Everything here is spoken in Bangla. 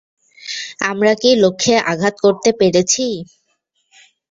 আমরা কি লক্ষ্যে আঘাত করতে পেরেছি?